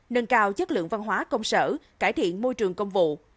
nâng cao chất lượng văn hóa công sở cải thiện môi trường công vụ